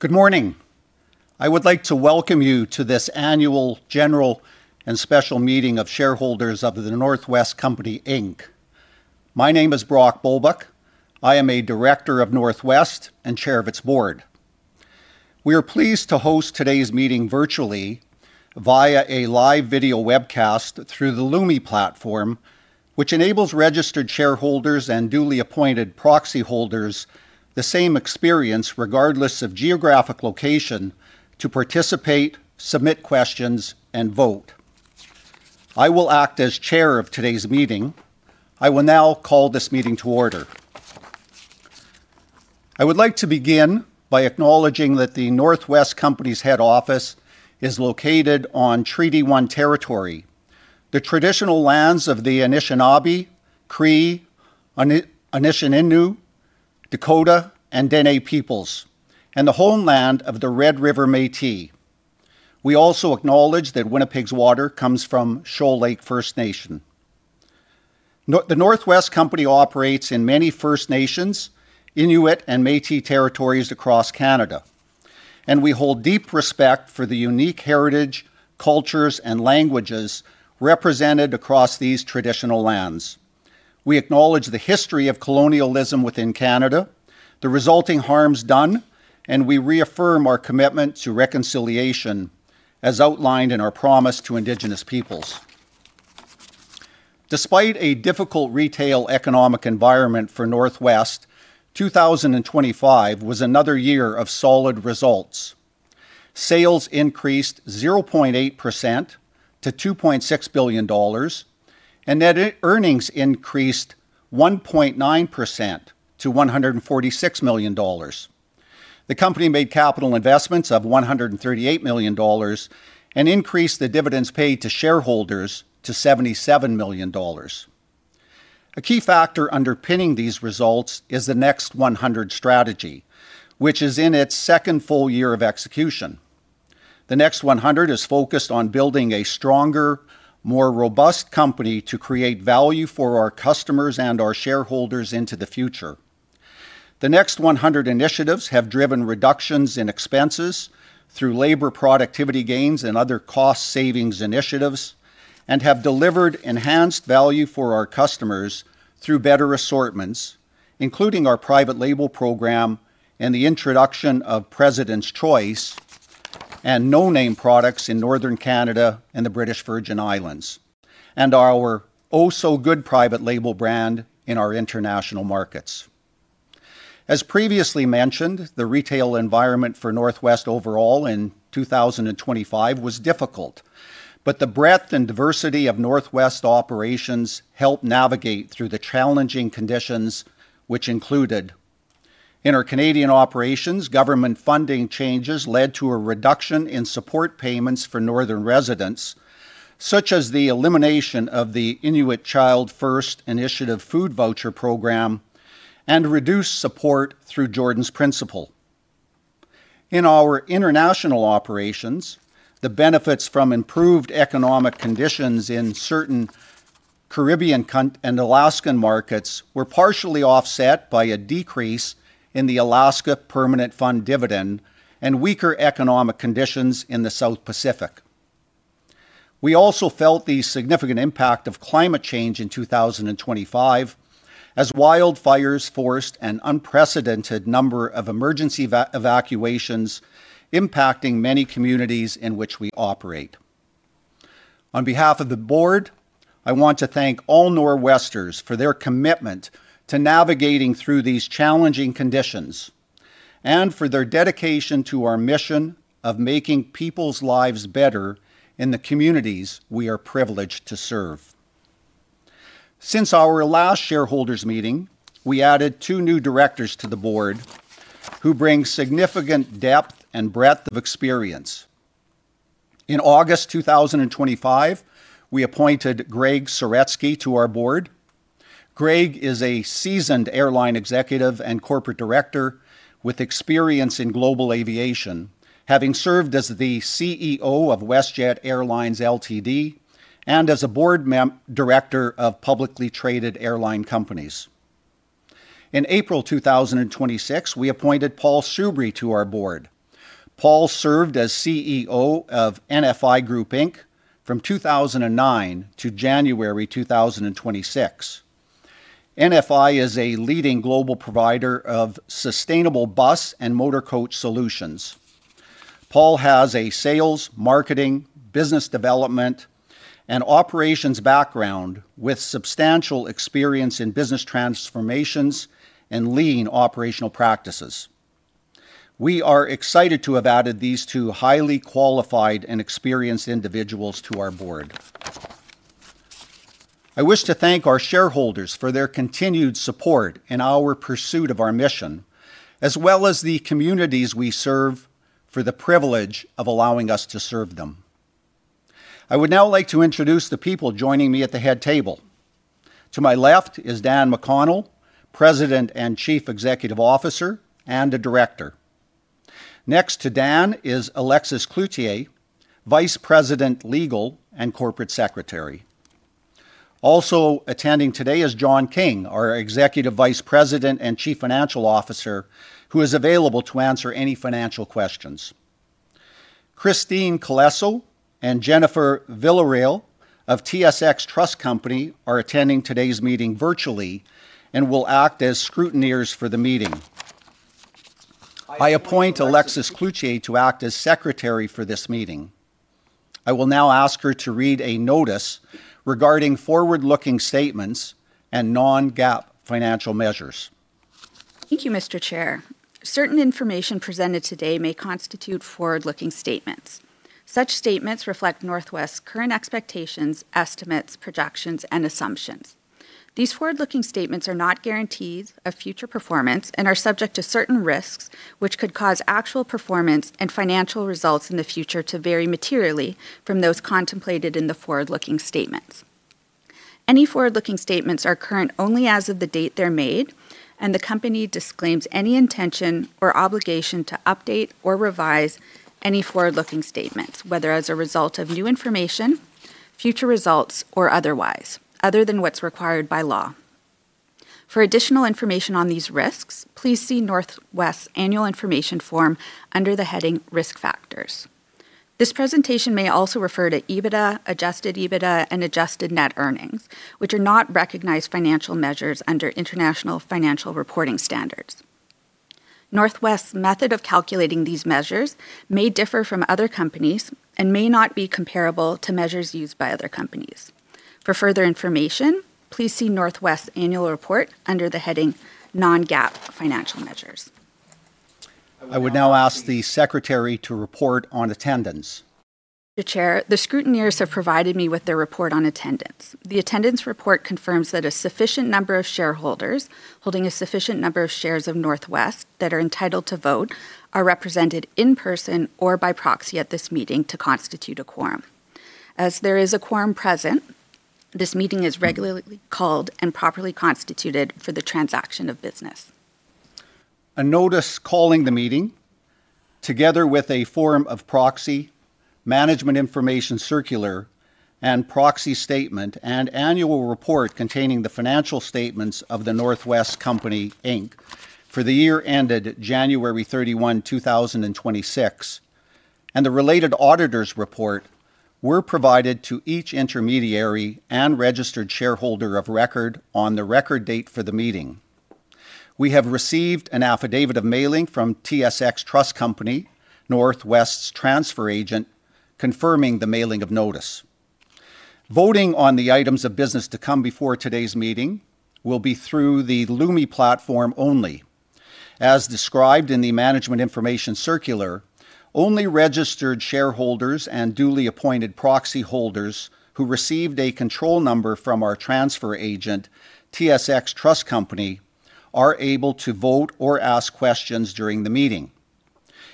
Good morning. I would like to welcome you to this annual general and special meeting of shareholders of The North West Company Inc. My name is Brock Bulbuck. I am a director of North West and chair of its board. We are pleased to host today's meeting virtually via a live video webcast through the Lumi platform, which enables registered shareholders and duly appointed proxy holders the same experience, regardless of geographic location, to participate, submit questions, and vote. I will act as chair of today's meeting. I will now call this meeting to order. I would like to begin by acknowledging that The North West Company's head office is located on Treaty 1 territory, the traditional lands of the Anishinaabe, Cree, Anisininew, Dakota, and Dene peoples, and the homeland of the Red River Métis. We also acknowledge that Winnipeg's water comes from Shoal Lake First Nation. The North West Company operates in many First Nations, Inuit, and Métis territories across Canada. We hold deep respect for the unique heritage, cultures, and languages represented across these traditional lands. We acknowledge the history of colonialism within Canada, the resulting harms done. We reaffirm our commitment to reconciliation as outlined in our promise to Indigenous peoples. Despite a difficult retail economic environment for North West, 2025 was another year of solid results. Sales increased 0.8% to 2.6 billion dollars, net earnings increased 1.9% to 146 million dollars. The company made capital investments of 138 million dollars and increased the dividends paid to shareholders to 77 million dollars. A key factor underpinning these results is the Next 100 strategy, which is in its second full year of execution. The Next 100 is focused on building a stronger, more robust company to create value for our customers and our shareholders into the future. The Next 100 initiatives have driven reductions in expenses through labor productivity gains and other cost-savings initiatives, and have delivered enhanced value for our customers through better assortments, including our private label program and the introduction of President's Choice and No Name products in Northern Canada and the British Virgin Islands, and our Oh so GOOD! private label brand in our international markets. As previously mentioned, the retail environment for North West overall in 2025 was difficult. The breadth and diversity of North West operations helped navigate through the challenging conditions, which included, in our Canadian operations, government funding changes led to a reduction in support payments for northern residents, such as the elimination of the Inuit Child First Initiative Food Voucher Program and reduced support through Jordan's Principle. In our international operations, the benefits from improved economic conditions in certain Caribbean and Alaskan markets were partially offset by a decrease in the Alaska Permanent Fund dividend and weaker economic conditions in the South Pacific. We also felt the significant impact of climate change in 2025 as wildfires forced an unprecedented number of emergency evacuations, impacting many communities in which we operate. On behalf of the board, I want to thank all North Westerners for their commitment to navigating through these challenging conditions and for their dedication to our mission of making people's lives better in the communities we are privileged to serve. Since our last shareholders meeting, we added two new directors to the board who bring significant depth and breadth of experience. In August 2025, we appointed Gregg Saretsky to our board. Gregg is a seasoned airline executive and corporate director with experience in global aviation, having served as the CEO of WestJet Airlines Ltd. and as a board director of publicly traded airline companies. In April 2026, we appointed Paul Soubry to our board. Paul served as CEO of NFI Group Inc. from 2009 to January 2026. NFI is a leading global provider of sustainable bus and motor coach solutions. Paul has a sales, marketing, business development, and operations background with substantial experience in business transformations and lean operational practices. We are excited to have added these two highly qualified and experienced individuals to our board. I wish to thank our shareholders for their continued support in our pursuit of our mission, as well as the communities we serve for the privilege of allowing us to serve them. I would now like to introduce the people joining me at the head table. To my left is Dan McConnell, President and Chief Executive Officer and a director. Next to Dan is Alexis Cloutier, Vice President, Legal, and Corporate Secretary. Attending today is John King, our Executive Vice President and Chief Financial Officer, who is available to answer any financial questions. Christine Colesso and Jennifer Villareal of TSX Trust Company are attending today's meeting virtually and will act as scrutineers for the meeting. I appoint Alexis Cloutier to act as secretary for this meeting. I will now ask her to read a notice regarding forward-looking statements and Non-GAAP Financial Measures. Thank you, Mr. Chair. Certain information presented today may constitute forward-looking statements. Such statements reflect North West's current expectations, estimates, projections, and assumptions. These forward-looking statements are not guarantees of future performance and are subject to certain risks which could cause actual performance and financial results in the future to vary materially from those contemplated in the forward-looking statements. Any forward-looking statements are current only as of the date they're made, and the company disclaims any intention or obligation to update or revise any forward-looking statements, whether as a result of new information, future results, or otherwise, other than what's required by law. For additional information on these risks, please see North West's annual information form under the heading Risk Factors. This presentation may also refer to EBITDA, adjusted EBITDA, and adjusted net earnings, which are not recognized financial measures under International Financial Reporting Standards. North West's method of calculating these measures may differ from other companies and may not be comparable to measures used by other companies. For further information, please see North West's annual report under the heading Non-GAAP Financial Measures. I would now ask the secretary to report on attendance. Mr. Chair, the scrutineers have provided me with their report on attendance. The attendance report confirms that a sufficient number of shareholders holding a sufficient number of shares of North West that are entitled to vote are represented in person or by proxy at this meeting to constitute a quorum. As there is a quorum present, this meeting is regularly called and properly constituted for the transaction of business. A notice calling the meeting, together with a form of proxy, management information circular, and proxy statement, an annual report containing the financial statements of The North West Company Inc. for the year ended January 31, 2026, and the related auditor's report were provided to each intermediary and registered shareholder of record on the record date for the meeting. We have received an affidavit of mailing from TSX Trust Company, North West's transfer agent, confirming the mailing of notice. Voting on the items of business to come before today's meeting will be through the Lumi platform only. As described in the management information circular, only registered shareholders and duly appointed proxy holders who received a control number from our transfer agent, TSX Trust Company, are able to vote or ask questions during the meeting.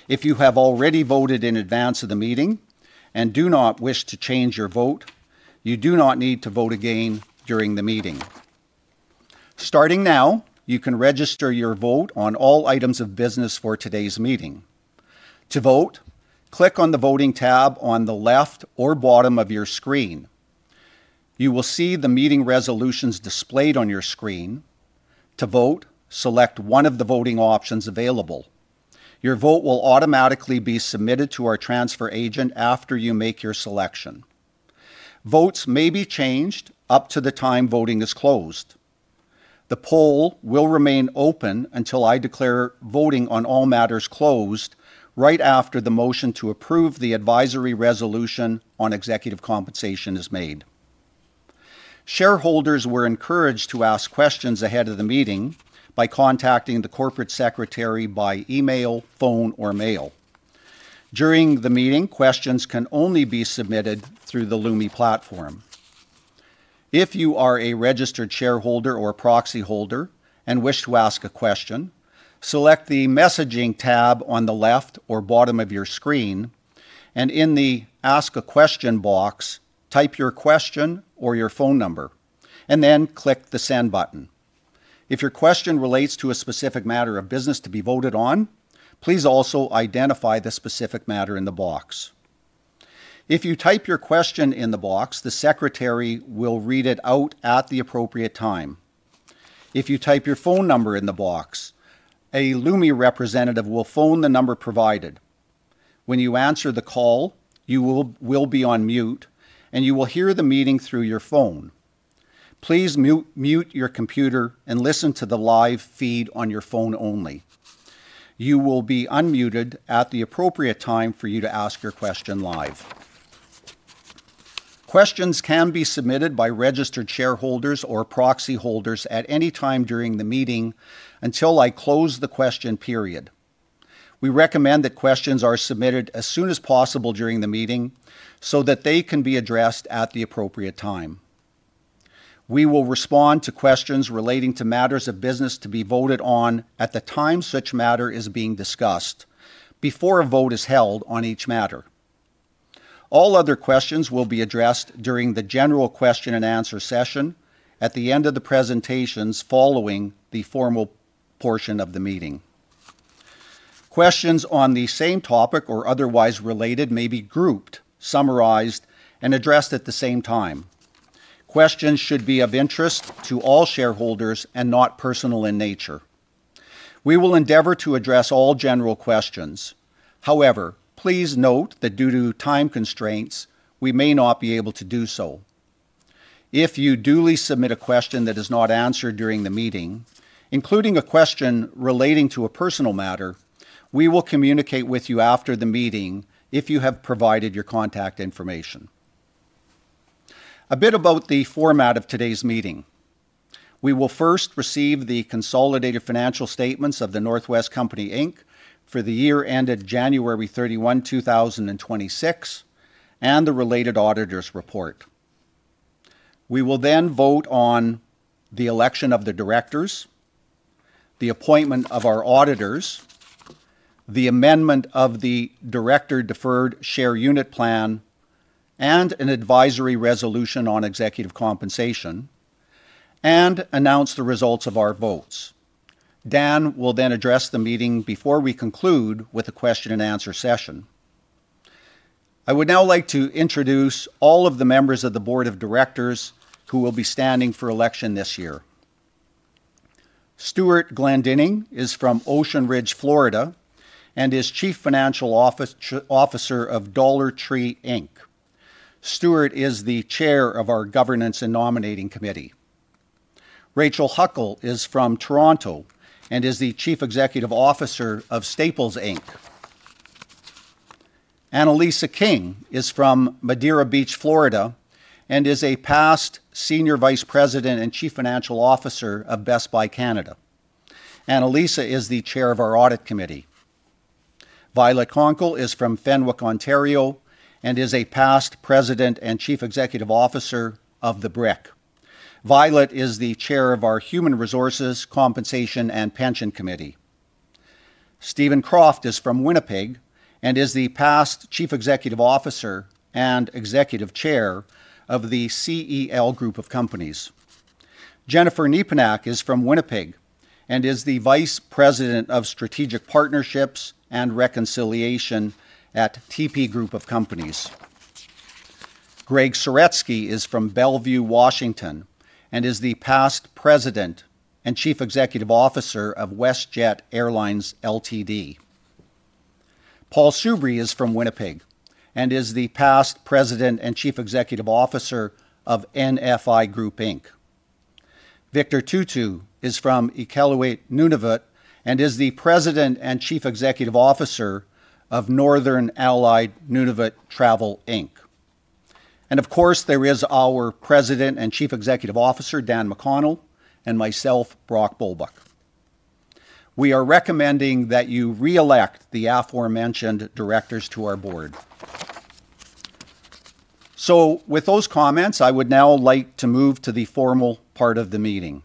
If you have already voted in advance of the meeting and do not wish to change your vote, you do not need to vote again during the meeting. Starting now, you can register your vote on all items of business for today's meeting. To vote, click on the Voting tab on the left or bottom of your screen. You will see the meeting resolutions displayed on your screen. To vote, select one of the voting options available. Your vote will automatically be submitted to our transfer agent after you make your selection. Votes may be changed up to the time voting is closed. The poll will remain open until I declare voting on all matters closed right after the motion to approve the advisory resolution on executive compensation is made. Shareholders were encouraged to ask questions ahead of the meeting by contacting the corporate secretary by email, phone, or mail. During the meeting, questions can only be submitted through the Lumi platform. If you are a registered shareholder or proxy holder and wish to ask a question, select the Messaging tab on the left or bottom of your screen, and in the Ask a Question box, type your question or your phone number, and then click the Send button. If your question relates to a specific matter of business to be voted on, please also identify the specific matter in the box. If you type your question in the box, the secretary will read it out at the appropriate time. If you type your phone number in the box, a Lumi representative will phone the number provided. When you answer the call, you will be on mute, and you will hear the meeting through your phone. Please mute your computer and listen to the live feed on your phone only. You will be unmuted at the appropriate time for you to ask your question live. Questions can be submitted by registered shareholders or proxy holders at any time during the meeting until I close the question period. We recommend that questions are submitted as soon as possible during the meeting so that they can be addressed at the appropriate time. We will respond to questions relating to matters of business to be voted on at the time such matter is being discussed before a vote is held on each matter. All other questions will be addressed during the general question-and-answer session at the end of the presentations following the formal portion of the meeting. Questions on the same topic or otherwise related may be grouped, summarized, and addressed at the same time. Questions should be of interest to all shareholders and not personal in nature. We will endeavor to address all general questions. However, please note that due to time constraints, we may not be able to do so. If you duly submit a question that is not answered during the meeting, including a question relating to a personal matter, we will communicate with you after the meeting if you have provided your contact information. A bit about the format of today's meeting. We will first receive the consolidated financial statements of The North West Company Inc. for the year ended January 31, 2026, and the related auditor's report. We will then vote on the election of the directors, the appointment of our auditors, the amendment of the Director Deferred Share Unit Plan, and an advisory resolution on executive compensation, and announce the results of our votes. Dan will then address the meeting before we conclude with a question-and-answer session. I would now like to introduce all of the members of the board of directors who will be standing for election this year. Stewart Glendinning is from Ocean Ridge, Florida, and is Chief Financial Officer of Dollar Tree, Inc. Stewart is the chair of our governance and nominating committee. Rachel Huckle is from Toronto and is the Chief Executive Officer of Staples Inc. Annalisa King is from Madeira Beach, Florida, and is a past Senior Vice President and Chief Financial Officer of Best Buy Canada. Annalisa is the chair of our audit committee. Violet Konkle is from Fenwick, Ontario, and is a past President and Executive Officer of The Brick. Violet is the chair of our human resources, compensation, and pension committee. Steven Kroft is from Winnipeg and is the past Chief Executive Officer and Executive Chair of the CEL Group of Companies. Jennefer Nepinak is from Winnipeg and is the Vice President of Strategic Partnerships and Reconciliation at TIPI Group of Companies. Gregg Saretsky is from Bellevue, Washington, and is the past President and Chief Executive Officer of WestJet Airlines Ltd. Paul Soubry is from Winnipeg and is the past President and Chief Executive Officer of NFI Group Inc. Victor Tootoo is from Iqaluit, Nunavut, and is the President and Chief Executive Officer of Northern Allied Nunavut Travel Inc. Of course, there is our President and Chief Executive Officer, Dan McConnell, and myself, Brock Bulbuck. We are recommending that you reelect the aforementioned directors to our board. With those comments, I would now like to move to the formal part of the meeting.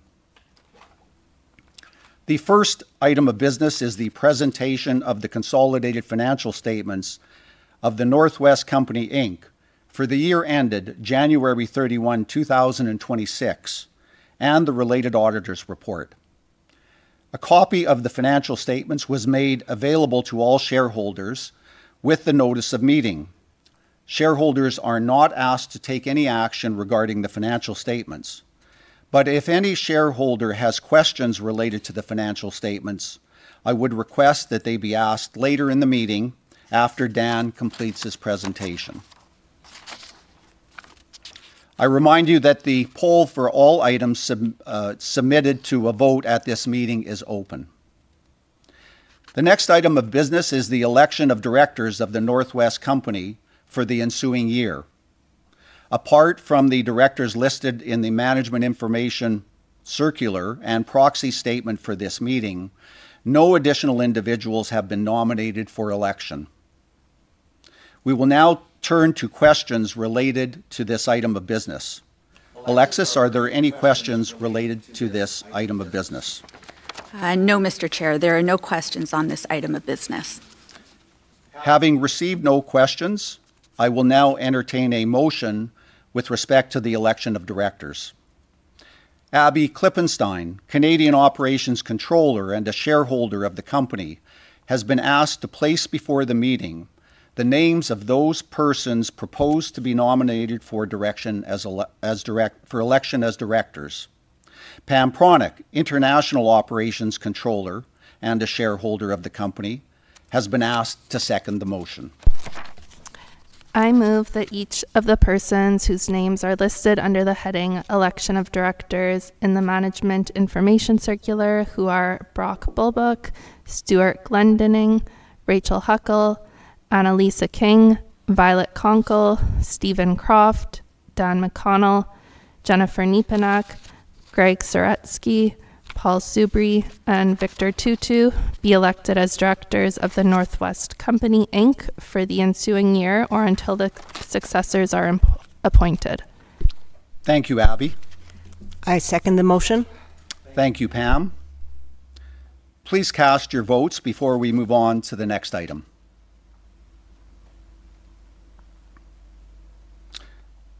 The first item of business is the presentation of the consolidated financial statements of The North West Company Inc. for the year ended January 31, 2026, and the related auditor's report. A copy of the financial statements was made available to all shareholders with the notice of meeting. Shareholders are not asked to take any action regarding the financial statements. If any shareholder has questions related to the financial statements, I would request that they be asked later in the meeting after Dan completes his presentation. I remind you that the poll for all items submitted to a vote at this meeting is open. The next item of business is the election of directors of The North West Company for the ensuing year. Apart from the directors listed in the management information circular and proxy statement for this meeting, no additional individuals have been nominated for election. We will now turn to questions related to this item of business. Alexis, are there any questions related to this item of business? No, Mr. Chair. There are no questions on this item of business. Having received no questions, I will now entertain a motion with respect to the election of directors. Abby Klippenstein, Canadian Operations Controller and a shareholder of the company, has been asked to place before the meeting the names of those persons proposed to be nominated for election as directors. Pam Pronyk, International Operations Controller and a shareholder of the company, has been asked to second the motion. I move that each of the persons whose names are listed under the heading "Election of directors" in the management information circular, who are Brock Bulbuck, Stewart Glendinning, Rachel Huckle, Annalisa King, Violet Konkle, Steven Kroft, Dan McConnell, Jennefer Nepinak, Gregg Saretsky, Paul Soubry, and Victor Tootoo, be elected as directors of The North West Company Inc. for the ensuing year or until their successors are appointed. Thank you, Abby. I second the motion. Thank you, Pam. Please cast your votes before we move on to the next item.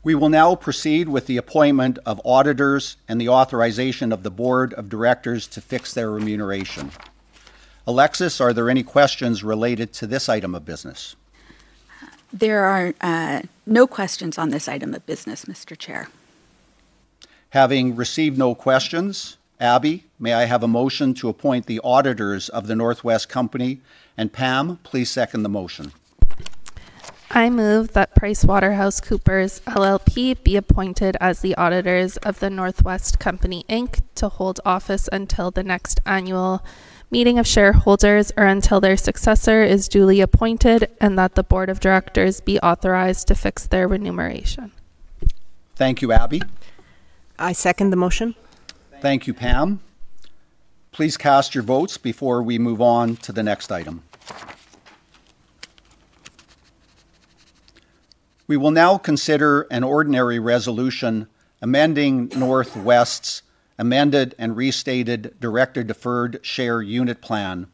We will now proceed with the appointment of auditors and the authorization of the Board of Directors to fix their remuneration. Alexis, are there any questions related to this item of business? There are no questions on this item of business, Mr. Chair. Having received no questions, Abby, may I have a motion to appoint the auditors of The North West Company? Pam, please second the motion. I move that PricewaterhouseCoopers LLP be appointed as the auditors of The North West Company Inc., to hold office until the next annual meeting of shareholders, or until their successor is duly appointed, and that the board of directors be authorized to fix their remuneration. Thank you, Abby. I second the motion. Thank you, Pam. Please cast your votes before we move on to the next item. We will now consider an ordinary resolution amending North West's amended and restated director deferred share unit plan,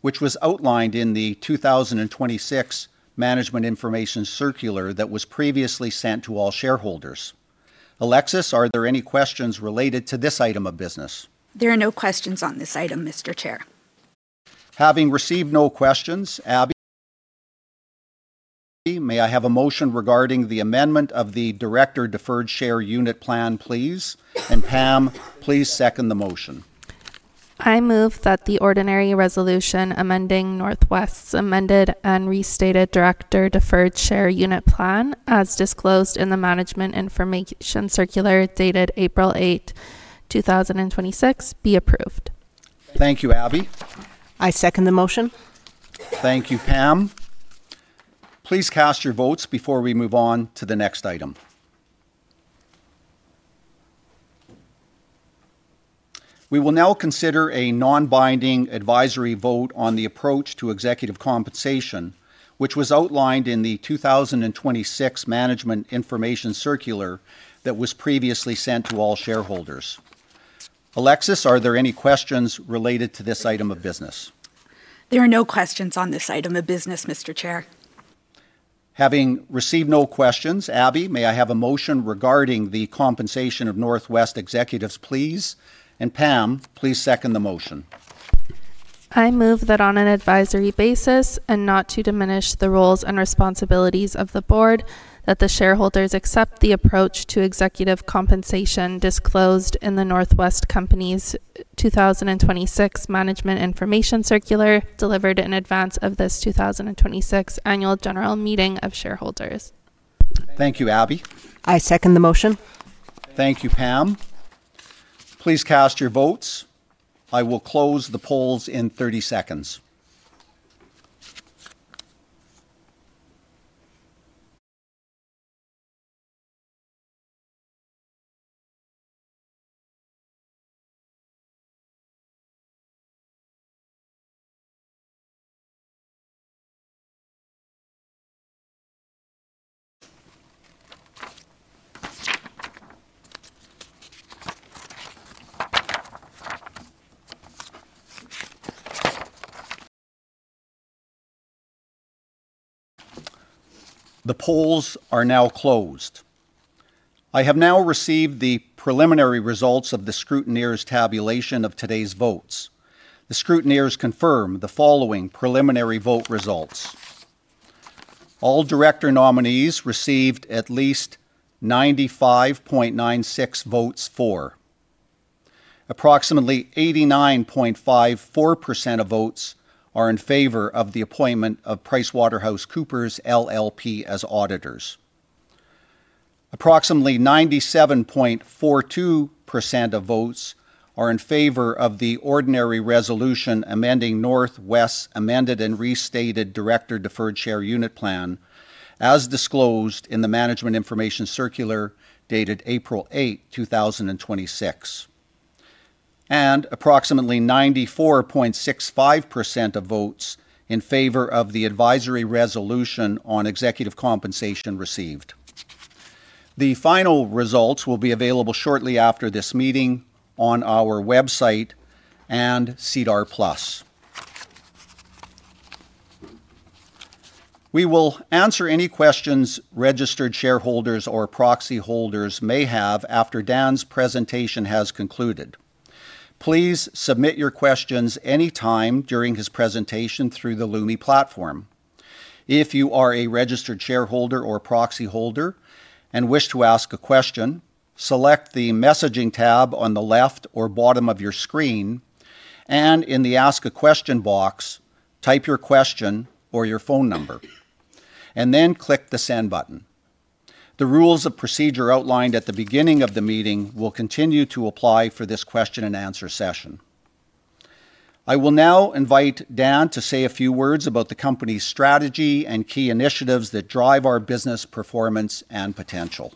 which was outlined in the 2026 management information circular that was previously sent to all shareholders. Alexis, are there any questions related to this item of business? There are no questions on this item, Mr. Chair. Having received no questions, Abby, may I have a motion regarding the amendment of the director deferred share unit plan, please? Pam, please second the motion. I move that the ordinary resolution amending North West's amended and restated director deferred share unit plan, as disclosed in the management information circular dated April 8, 2026, be approved. Thank you, Abby. I second the motion. Thank you, Pam. Please cast your votes before we move on to the next item. We will now consider a non-binding advisory vote on the approach to executive compensation, which was outlined in the 2026 management information circular that was previously sent to all shareholders. Alexis, are there any questions related to this item of business? There are no questions on this item of business, Mr. Chair. Having received no questions, Abby, may I have a motion regarding the compensation of North West executives, please? Pam, please second the motion. I move that on an advisory basis, not to diminish the roles and responsibilities of the board, that the shareholders accept the approach to executive compensation disclosed in The North West Company's 2026 management information circular delivered in advance of this 2026 annual general meeting of shareholders. Thank you, Abby. I second the motion. Thank you, Pam. Please cast your votes. I will close the polls in 30 seconds. The polls are now closed. I have now received the preliminary results of the scrutineers' tabulation of today's votes. The scrutineers confirm the following preliminary vote results. All director nominees received at least 95.96% votes for. Approximately 89.54% of votes are in favor of the appointment of PricewaterhouseCoopers LLP as auditors. Approximately 97.42% of votes are in favor of the ordinary resolution amending North West's amended and restated director deferred share unit plan as disclosed in the management information circular dated April 8, 2026. Approximately 94.65% of votes in favor of the advisory resolution on executive compensation received. The final results will be available shortly after this meeting on our website and SEDAR+. We will answer any questions registered shareholders or proxy holders may have after Dan's presentation has concluded. Please submit your questions any time during his presentation through the Lumi platform. If you are a registered shareholder or proxy holder and wish to ask a question, select the messaging tab on the left or bottom of your screen, and in the Ask a Question box, type your question or your phone number, and then click the send button. The rules of procedure outlined at the beginning of the meeting will continue to apply for this question-and-answer session. I will now invite Dan to say a few words about the company's strategy and key initiatives that drive our business performance and potential.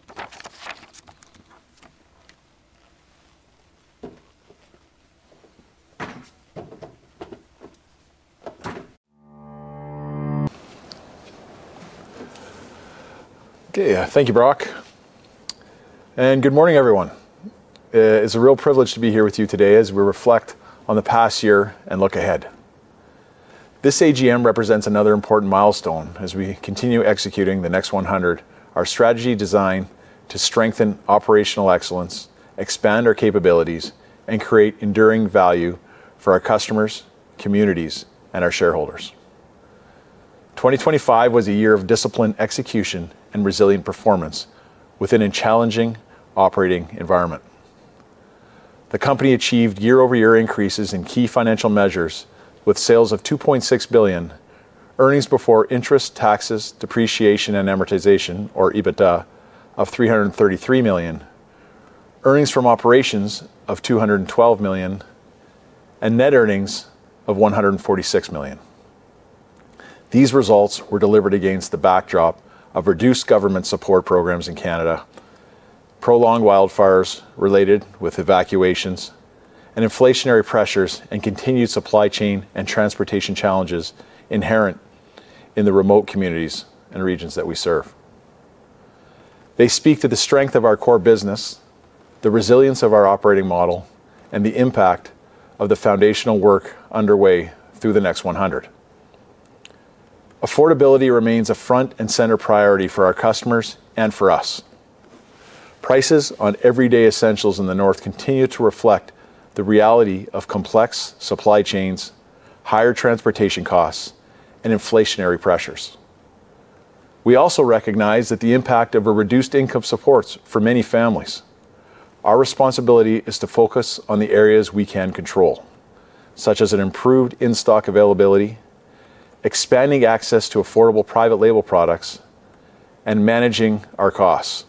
Okay. Thank you, Brock, and good morning, everyone. It's a real privilege to be here with you today as we reflect on the past year and look ahead. This AGM represents another important milestone as we continue executing the Next 100, our strategy designed to strengthen operational excellence, expand our capabilities, and create enduring value for our customers, communities, and our shareholders. 2025 was a year of disciplined execution and resilient performance within a challenging operating environment. The company achieved year-over-year increases in key financial measures with sales of 2.6 billion, earnings before interest, taxes, depreciation, and amortization, or EBITDA, of 333 million, earnings from operations of 212 million, and net earnings of 146 million. These results were delivered against the backdrop of reduced government support programs in Canada, prolonged wildfires related with evacuations, and inflationary pressures, and continued supply chain and transportation challenges inherent in the remote communities and regions that we serve. They speak to the strength of our core business, the resilience of our operating model, and the impact of the foundational work underway through the Next 100. Affordability remains a front and center priority for our customers and for us. Prices on everyday essentials in the north continue to reflect the reality of complex supply chains, higher transportation costs, and inflationary pressures. We also recognize that the impact of reduced income supports for many families. Our responsibility is to focus on the areas we can control, such as improved in-stock availability, expanding access to affordable private label products, and managing our costs,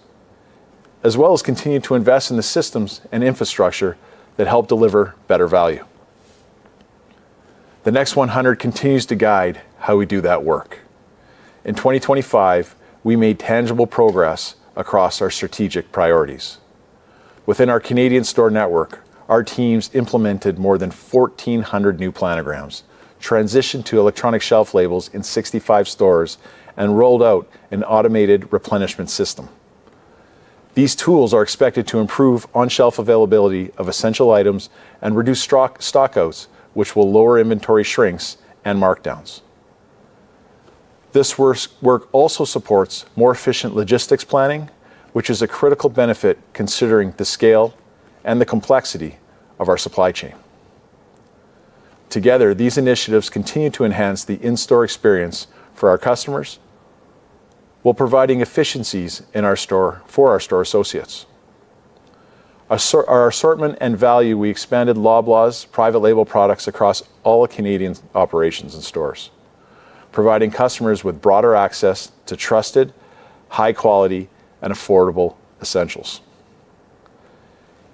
as well as continue to invest in the systems and infrastructure that help deliver better value. The Next 100 continues to guide how we do that work. In 2025, we made tangible progress across our strategic priorities. Within our Canadian store network, our teams implemented more than 1,400 new planograms, transitioned to electronic shelf labels in 65 stores, and rolled out an automated replenishment system. These tools are expected to improve on-shelf availability of essential items and reduce stockouts, which will lower inventory shrinks and markdowns. This work also supports more efficient logistics planning, which is a critical benefit considering the scale and the complexity of our supply chain. Together, these initiatives continue to enhance the in-store experience for our customers while providing efficiencies in our store for our store associates. Our assortment and value, we expanded Loblaw's private label products across all Canadian operations and stores, providing customers with broader access to trusted, high quality, and affordable essentials.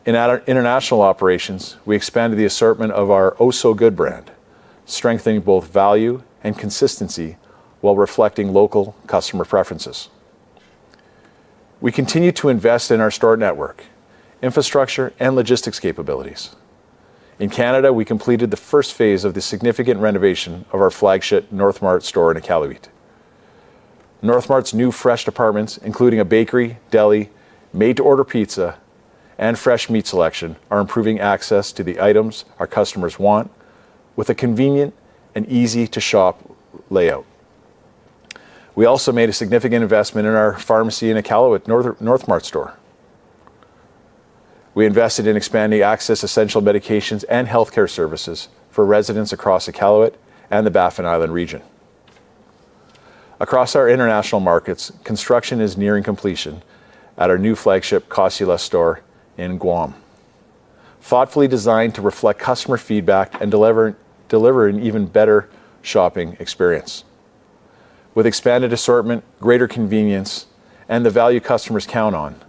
In our international operations, we expanded the assortment of our Oh so GOOD! brand, strengthening both value and consistency while reflecting local customer preferences. We continue to invest in our store network, infrastructure, and logistics capabilities. In Canada, we completed the first phase of the significant renovation of our flagship NorthMart store in Iqaluit. NorthMart's new fresh departments, including a bakery, deli, made-to-order pizza, and fresh meat selection, are improving access to the items our customers want with a convenient and easy-to-shop layout. We also made a significant investment in our pharmacy in Iqaluit NorthMart store. We invested in expanding access to essential medications and healthcare services for residents across Iqaluit and the Baffin Island region. Across our international markets, construction is nearing completion at our new flagship Cost.U.Less store in Guam. Thoughtfully designed to reflect customer feedback and deliver an even better shopping experience. With expanded assortment, greater convenience, and the value customers count on,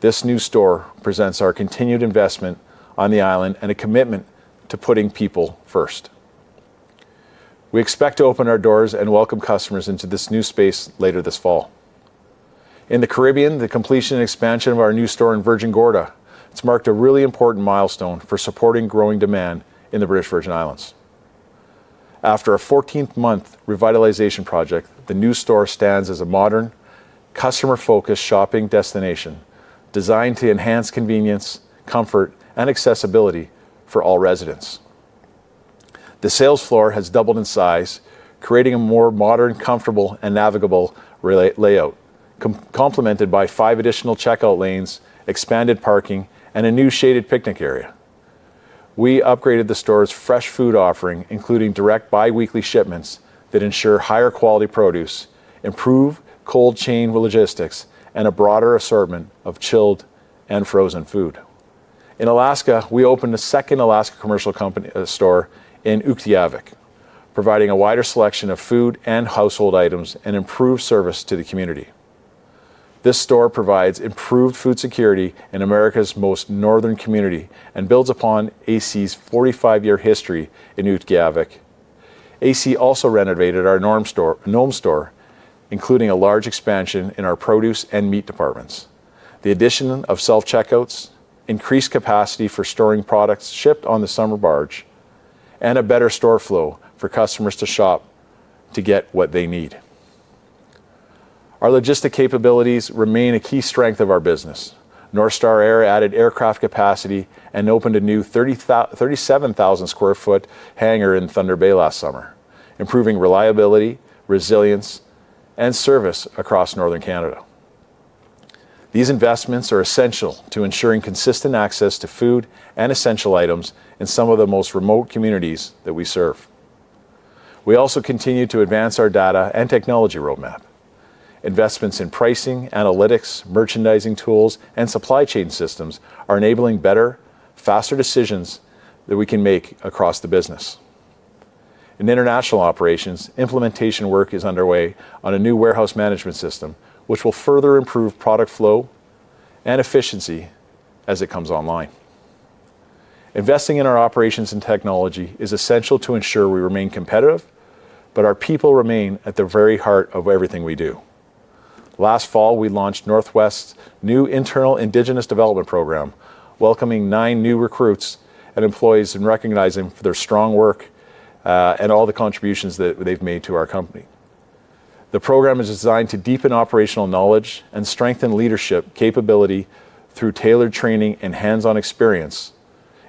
this new store presents our continued investment on the island and a commitment to putting people first. We expect to open our doors and welcome customers into this new space later this fall. In the Caribbean, the completion and expansion of our new store in Virgin Gorda, it's marked a really important milestone for supporting growing demand in the British Virgin Islands. After a 14th-month revitalization project, the new store stands as a modern, customer-focused shopping destination designed to enhance convenience, comfort, and accessibility for all residents. The sales floor has doubled in size, creating a more modern, comfortable, and navigable layout, complemented by five additional checkout lanes, expanded parking, and a new shaded picnic area. We upgraded the store's fresh food offering, including direct biweekly shipments that ensure higher quality produce, improved cold chain logistics, and a broader assortment of chilled and frozen food. In Alaska, we opened a second Alaska Commercial Company store in Utqiaġvik, providing a wider selection of food and household items and improved service to the community. This store provides improved food security in America's most northern community and builds upon AC's 45-year history in Utqiaġvik. AC also renovated our Nome store, including a large expansion in our produce and meat departments. The addition of self-checkouts, increased capacity for storing products shipped on the summer barge, and a better store flow for customers to shop to get what they need. Our logistics capabilities remain a key strength of our business. North Star Air added aircraft capacity and opened a new 37,000 sq ft hangar in Thunder Bay last summer, improving reliability, resilience, and service across northern Canada. These investments are essential to ensuring consistent access to food and essential items in some of the most remote communities that we serve. We also continue to advance our data and technology roadmap. Investments in pricing, analytics, merchandising tools, and supply chain systems are enabling better, faster decisions that we can make across the business. In international operations, implementation work is underway on a new warehouse management system, which will further improve product flow and efficiency as it comes online. Investing in our operations and technology is essential to ensure we remain competitive. Our people remain at the very heart of everything we do. Last fall, we launched North West's new internal Indigenous Development Program, welcoming nine new recruits and employees, and recognizing their strong work, and all the contributions that they've made to our company. The program is designed to deepen operational knowledge and strengthen leadership capability through tailored training and hands-on experience,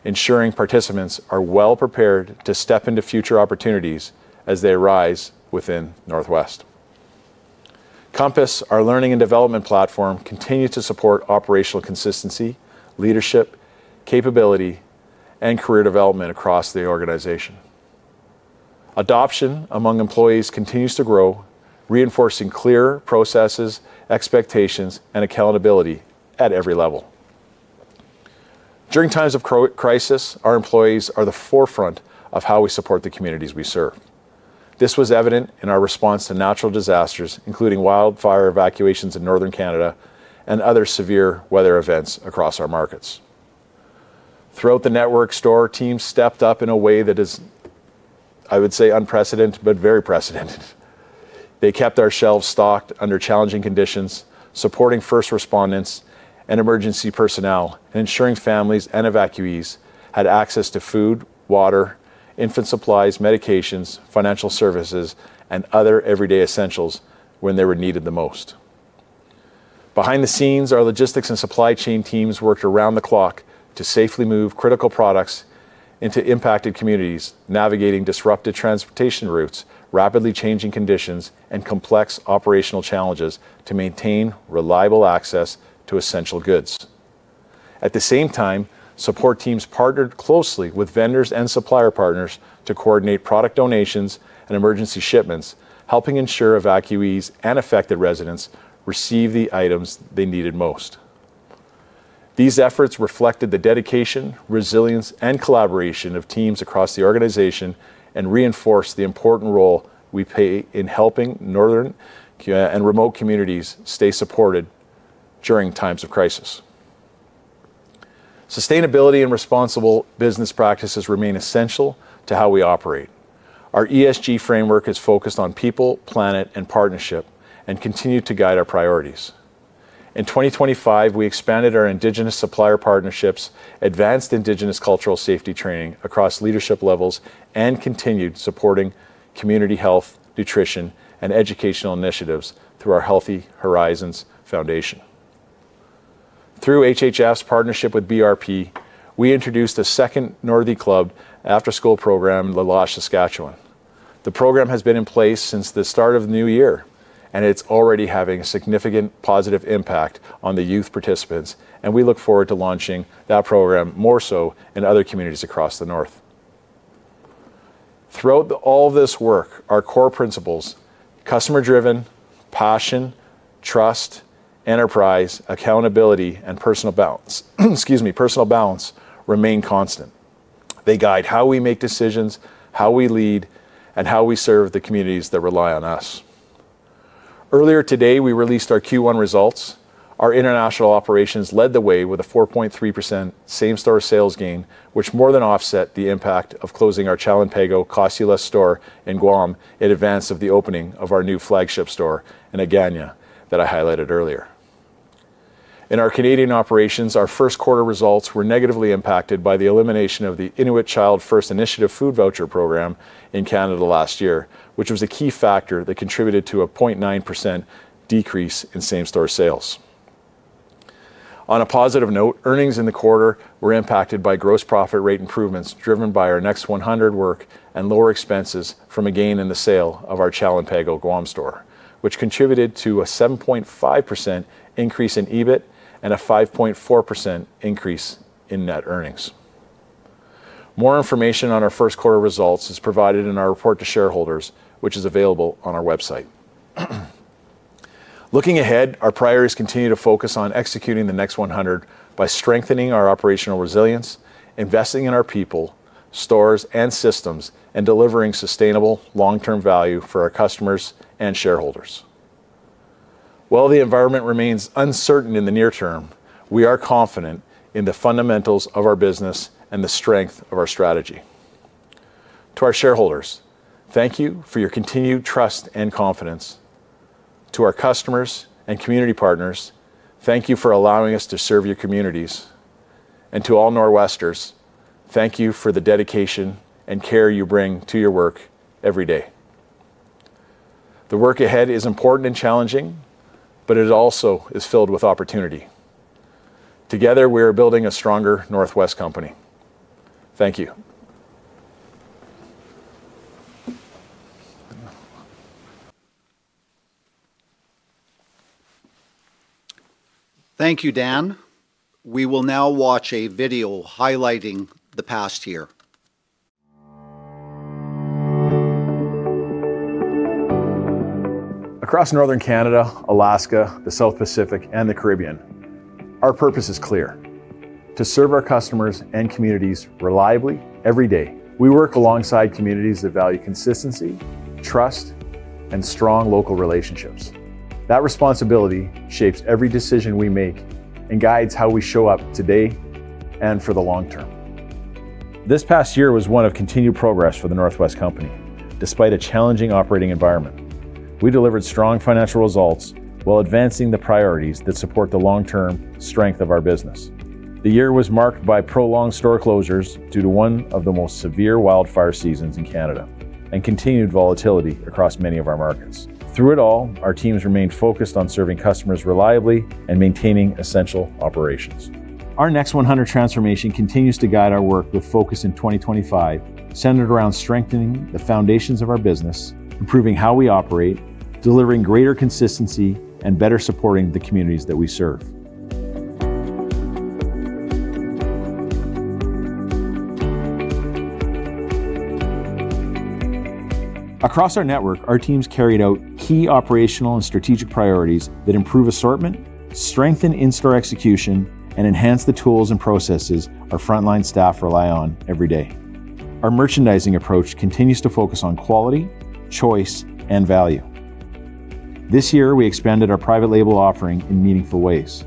ensuring participants are well prepared to step into future opportunities as they arise within North West. Compass, our learning and development platform, continue to support operational consistency, leadership, capability, and career development across the organization. Adoption among employees continues to grow, reinforcing clear processes, expectations, and accountability at every level. During times of crisis, our employees are the forefront of how we support the communities we serve. This was evident in our response to natural disasters, including wildfire evacuations in northern Canada and other severe weather events across our markets. Throughout the network store, teams stepped up in a way that is, I would say, unprecedented, but very precedented. They kept our shelves stocked under challenging conditions, supporting first respondents and emergency personnel, and ensuring families and evacuees had access to food, water, infant supplies, medications, financial services, and other everyday essentials when they were needed the most. Behind the scenes, our logistics and supply chain teams worked around the clock to safely move critical products into impacted communities, navigating disrupted transportation routes, rapidly changing conditions, and complex operational challenges to maintain reliable access to essential goods. At the same time, support teams partnered closely with vendors and supplier partners to coordinate product donations and emergency shipments, helping ensure evacuees and affected residents receive the items they needed most. These efforts reflected the dedication, resilience, and collaboration of teams across the organization and reinforced the important role we play in helping northern and remote communities stay supported during times of crisis. Sustainability and responsible business practices remain essential to how we operate. Our ESG framework is focused on people, planet, and partnership, continue to guide our priorities. In 2025, we expanded our Indigenous supplier partnerships, advanced Indigenous Cultural Safety Training across leadership levels, and continued supporting community health, nutrition, and educational initiatives through our Healthy Horizons Foundation. Through HHF's partnership with BRP, we introduced a second Northy Club after-school program in La Loche, Saskatchewan. The program has been in place since the start of the new year. It's already having a significant positive impact on the youth participants. We look forward to launching that program more so in other communities across the north. Throughout all this work, our core principles, customer-driven, passion, trust, enterprise, accountability, and personal balance remain constant. They guide how we make decisions, how we lead, and how we serve the communities that rely on us. Earlier today, we released our Q1 results. Our international operations led the way with a 4.3% same-store sales gain, which more than offset the impact of closing our Chalan Pago Cost.U.Less store in Guam in advance of the opening of our new flagship store in Hagåtña that I highlighted earlier. In our Canadian operations, our first quarter results were negatively impacted by the elimination of the Inuit Child First Initiative food voucher program in Canada last year, which was a key factor that contributed to a 0.9% decrease in same-store sales. On a positive note, earnings in the quarter were impacted by gross profit rate improvements, driven by our Next 100 work and lower expenses from a gain in the sale of our Chalan Pago Guam store, which contributed to a 7.5% increase in EBIT and a 5.4% increase in net earnings. More information on our first quarter results is provided in our report to shareholders, which is available on our website. Looking ahead, our priorities continue to focus on executing the Next 100 by strengthening our operational resilience, investing in our people, stores, and systems, and delivering sustainable long-term value for our customers and shareholders. While the environment remains uncertain in the near term, we are confident in the fundamentals of our business and the strength of our strategy. To our shareholders, thank you for your continued trust and confidence. To our customers and community partners, thank you for allowing us to serve your communities. To all Norwesters, thank you for the dedication and care you bring to your work every day. The work ahead is important and challenging, but it also is filled with opportunity. Together, we are building a stronger The North West Company. Thank you. Thank you, Dan. We will now watch a video highlighting the past year. Across northern Canada, Alaska, the South Pacific, and the Caribbean, our purpose is clear: to serve our customers and communities reliably every day. We work alongside communities that value consistency, trust, and strong local relationships. That responsibility shapes every decision we make and guides how we show up today and for the long term. This past year was one of continued progress for The North West Company, despite a challenging operating environment. We delivered strong financial results while advancing the priorities that support the long-term strength of our business. The year was marked by prolonged store closures due to one of the most severe wildfire seasons in Canada and continued volatility across many of our markets. Through it all, our teams remained focused on serving customers reliably and maintaining essential operations. Our Next 100 transformation continues to guide our work with focus in 2025, centered around strengthening the foundations of our business, improving how we operate, delivering greater consistency, and better supporting the communities that we serve. Across our network, our teams carried out key operational and strategic priorities that improve assortment, strengthen in-store execution, and enhance the tools and processes our frontline staff rely on every day. Our merchandising approach continues to focus on quality, choice, and value. This year, we expanded our private label offering in meaningful ways.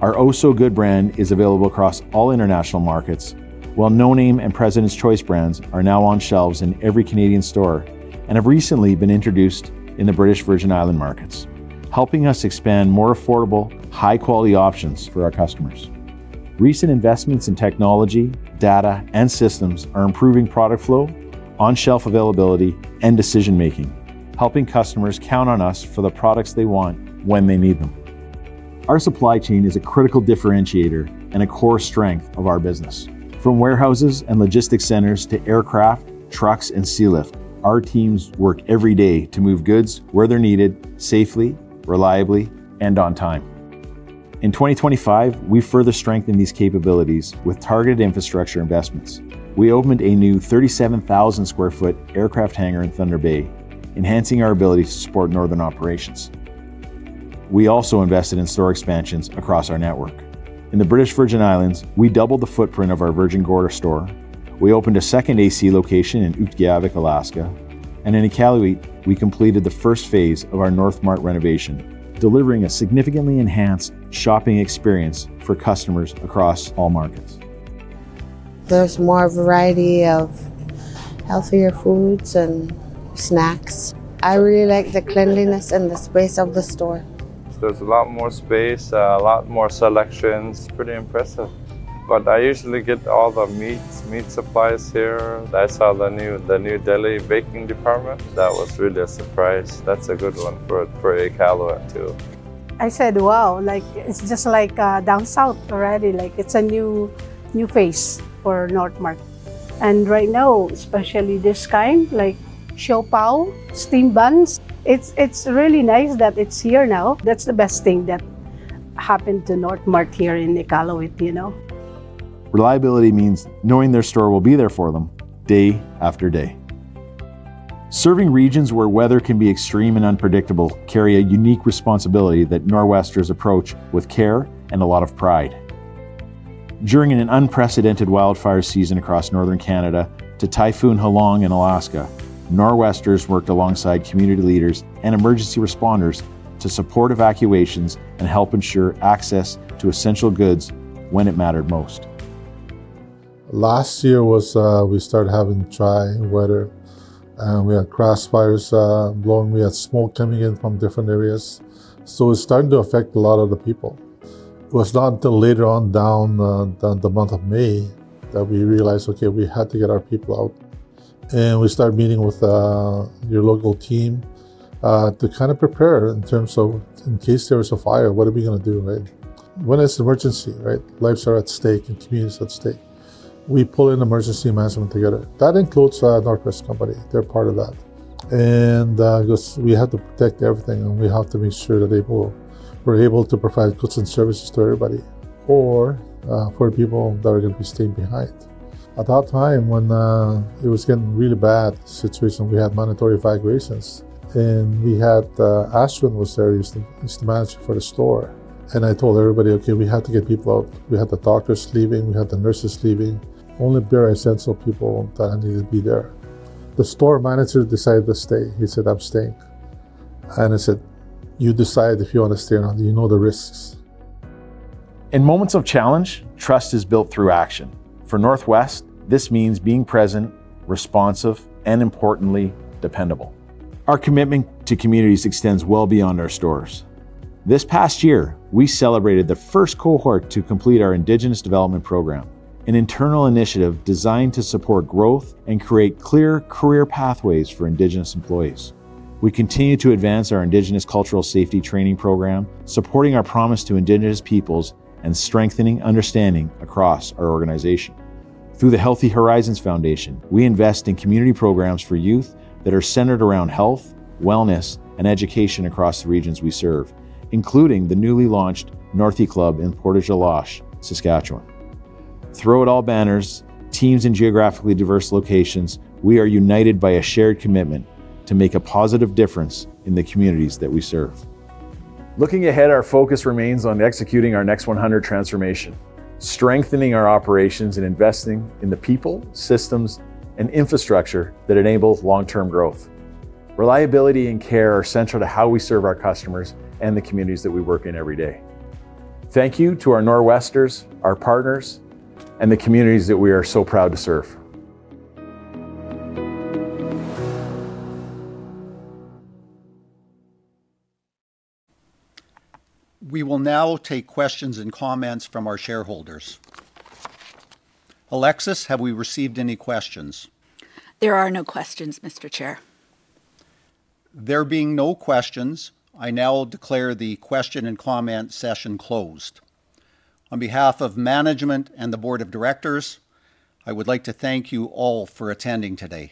Our Oh so GOOD! brand is available across all international markets, while No Name and President's Choice brands are now on shelves in every Canadian store and have recently been introduced in the British Virgin Islands markets, helping us expand more affordable, high-quality options for our customers. Recent investments in technology, data, and systems are improving product flow, on-shelf availability, and decision-making, helping customers count on us for the products they want when they need them. Our supply chain is a critical differentiator and a core strength of our business. From warehouses and logistics centers to aircraft, trucks, and sea lift, our teams work every day to move goods where they're needed safely, reliably, and on time. In 2025, we further strengthened these capabilities with targeted infrastructure investments. We opened a new 37,000 sq ft aircraft hangar in Thunder Bay, enhancing our ability to support northern operations. We also invested in store expansions across our network. In the British Virgin Islands, we doubled the footprint of our Virgin Gorda store. We opened a second AC location in Utqiaġvik, Alaska. In Iqaluit, we completed the first phase of our NorthMart renovation, delivering a significantly enhanced shopping experience for customers across all markets. There's more variety of healthier foods and snacks. I really like the cleanliness and the space of the store. There's a lot more space, a lot more selections. Pretty impressive. I usually get all the meats, meat supplies here. I saw the new deli baking department. That was really a surprise. That's a good one for Iqaluit, too. I said, wow, it's just like down south already. It's a new face for NorthMart. Right now, especially this kind, like siopao, steam buns, it's really nice that it's here now. That's the best thing that happened to NorthMart here in Iqaluit, you know? Reliability means knowing their store will be there for them day after day. Serving regions where weather can be extreme and unpredictable carry a unique responsibility that Norwesters approach with care and a lot of pride. During an unprecedented wildfire season across northern Canada to Typhoon Halong in Alaska, Norwesters worked alongside community leaders and emergency responders to support evacuations and help ensure access to essential goods when it mattered most. Last year, we started having dry weather. We had grass fires blowing. We had smoke coming in from different areas. It's starting to affect a lot of the people. It was not until later on down the month of May that we realized, okay, we had to get our people out, and we started meeting with your local team to prepare in terms of in case there is a fire, what are we going to do, right? When it's an emergency, lives are at stake and communities at stake. We pull in emergency management together. That includes our North West Company. They're part of that. Because we have to protect everything, and we have to make sure that we're able to provide goods and services to everybody, or for the people that are going to be staying behind. At that time, when it was getting really bad situation, we had mandatory evacuations, Ashwin was there. He's the manager for the store. I told everybody, "Okay, we have to get people out." We had the doctors leaving. We had the nurses leaving. Only bare essential people that needed to be there. The store manager decided to stay. He said, "I'm staying." I said, "You decide if you want to stay or not. You know the risks. In moments of challenge, trust is built through action. For North West, this means being present, responsive, and importantly, dependable. Our commitment to communities extends well beyond our stores. This past year, we celebrated the first cohort to complete our Indigenous Development Program, an internal initiative designed to support growth and create clear career pathways for Indigenous employees. We continue to advance our Indigenous Cultural Safety Training program, supporting our promise to Indigenous peoples and strengthening understanding across our organization. Through the Healthy Horizons Foundation, we invest in community programs for youth that are centered around health, wellness, and education across the regions we serve, including the newly launched Northy Club in Portage la Prairie, Saskatchewan. Through it all banners, teams in geographically diverse locations, we are united by a shared commitment to make a positive difference in the communities that we serve. Looking ahead, our focus remains on executing our Next 100 transformation, strengthening our operations, and investing in the people, systems, and infrastructure that enables long-term growth. Reliability and care are central to how we serve our customers and the communities that we work in every day. Thank you to our Norwesters, our partners, and the communities that we are so proud to serve. We will now take questions and comments from our shareholders. Alexis, have we received any questions? There are no questions, Mr. Chair. There being no questions, I now declare the question-and-comment session closed. On behalf of management and the Board of Directors, I would like to thank you all for attending today.